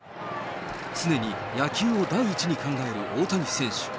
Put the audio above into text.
常に野球を第一に考える大谷選手。